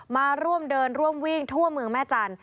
มาร่วมเดินร่วมวิ่งทั่วเมืองแม่จันทร์